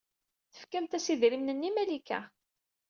Tefkamt-as idrimen-nni i Malika.